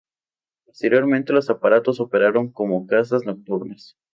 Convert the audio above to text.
Posteriormente, los aparatos, operaron como cazas nocturnos.